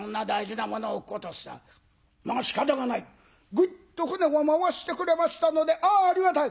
ぐいっと船を回してくれましたので「ああありがたい」。